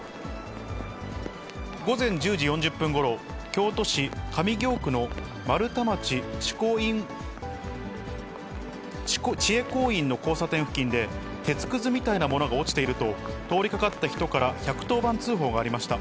午前１０時４０分ごろ、京都市上京区の丸太町智恵光院の交差点付近で、鉄くずみたいなものが落ちていると、通りかかった人から１１０番通報がありました。